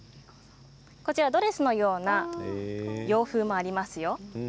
ドレスのような洋風のもありますよ。